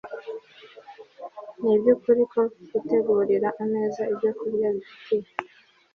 Ni ibyukuri ko gutegurira ameza ibyokurya bifitiye